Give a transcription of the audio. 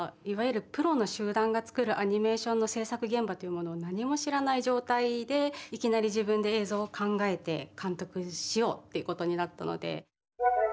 いわゆるプロの集団が作るアニメーションの制作現場というものを何も知らない状態でいきなり自分で映像を考えて監督しようっていうことになったので。